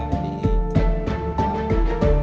di kota alam